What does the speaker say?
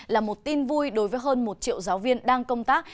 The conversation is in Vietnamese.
là một tin vui đối với hơn một triệu giáo viên đang công tác